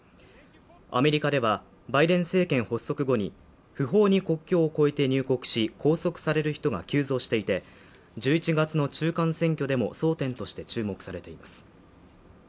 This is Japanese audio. アメリカではバイデン政権発足後に不法に国境を越えて入国し拘束される人が急増していて１１月の中間選挙でも争点として注目されています